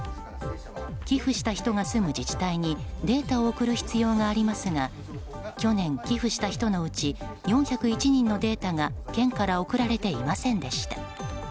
寄付した人が住む自治体にデータを送る必要がありますが去年、寄付した人のうち４０１人のデータが県から送られていませんでした。